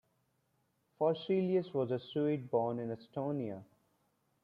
Forselius was a Swede born in Estonia.